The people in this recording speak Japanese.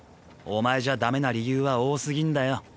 お前じゃダメな理由は多すぎんだよ。